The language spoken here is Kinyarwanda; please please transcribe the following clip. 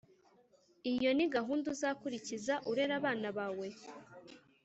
Iyo ni gahunda uzakurikiza urera abana bawe